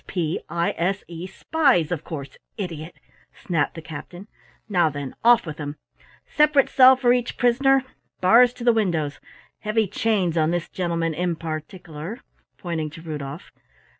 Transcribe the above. "S p i s e, spies, of course, idiot!" snapped the captain. "Now then, off with 'em. Separate cell for each prisoner, bars to the windows. Heavy chains on this gentleman in particeler," pointing to Rudolf.